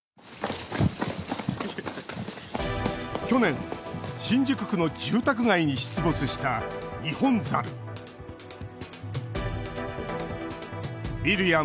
去年、新宿区の住宅街に出没したニホンザル。